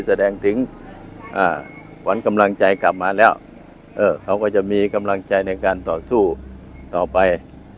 แสดงถึงขวัญกำลังใจกลับมาแล้วเขาก็จะมีกำลังใจในการต่อสู้ต่อไป